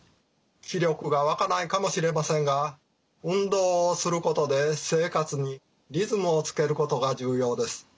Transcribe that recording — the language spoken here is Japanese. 気力が湧かないかもしれませんが運動をすることで生活にリズムをつけることが重要です。